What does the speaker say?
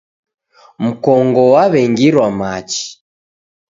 Mkongo waw'engirwa machi.